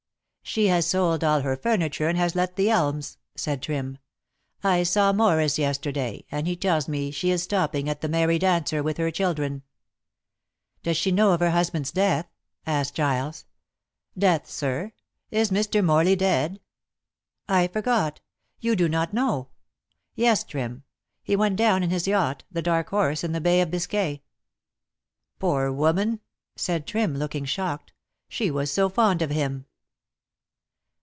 "She has sold all her furniture and has let The Elms," said Trim. "I saw Morris yesterday, and he tells me she is stopping at 'The Merry Dancer' with her children." "Does she know of her husband's death?" asked Giles. "Death, sir. Is Mr. Morley dead?" "I forgot. You do not know. Yes, Trim. He went down in his yacht, The Dark Horse, in the Bay of Biscay." "Poor woman!" said Trim, looking shocked; "she was so fond of him."